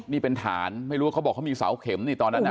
นี่เป็นฐานไม่รู้ว่าเขาบอกเขามีเสาเข็มนี่ตอนนั้นนะ